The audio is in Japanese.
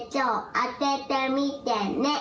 あててみてね！